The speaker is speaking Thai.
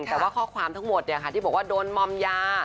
แต่ว่าข้อความทั้งหมดที่บอกว่าโดนมอมยา